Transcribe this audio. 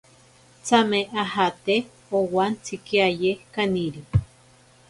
Tsame ajate owantsikiaye kaniri.